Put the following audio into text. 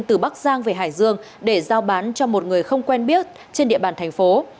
từ bắc giang về hải dương để giao bán cho một người không quen biết trên địa bàn thành phố